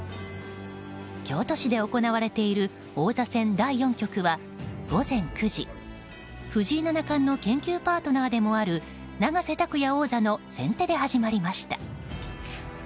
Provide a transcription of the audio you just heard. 京都市で行われている王座戦第４局は午前９時藤井七冠の研究パートナーでもある永瀬拓矢王座の先手で始まりました。